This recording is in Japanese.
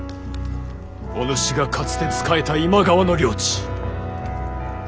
お主がかつて仕えた今川の領地。